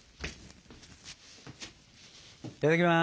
いただきます。